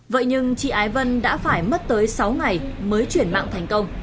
vậy nhưng chị ái vân đã phải mất tới sáu ngày mới chuyển mạng thành công